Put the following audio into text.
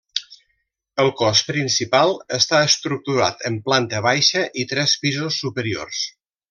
El cos principal està estructurat en planta baixa i tres pisos superiors.